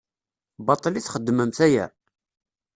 Baṭel i txeddmemt aya?